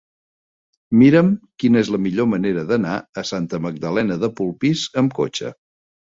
Mira'm quina és la millor manera d'anar a Santa Magdalena de Polpís amb cotxe.